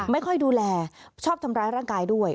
ไม่ค่อยดูแลชอบทำร้ายร่างกายด้วย